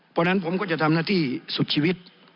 เพราะฉะนั้นผมก็จะทำหน้าที่สุดชีวิต